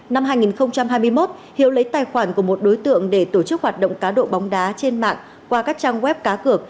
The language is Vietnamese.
năm hai nghìn hai mươi một hiếu lấy tài khoản của một đối tượng để tổ chức hoạt động cá độ bóng đá trên mạng qua các trang web cá cược